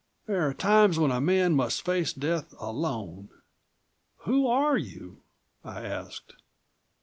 There are times when a man must face death alone." "Who are you?" I asked.